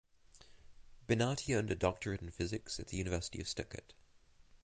Bennati earned her doctorate in physics at the University of Stuttgart.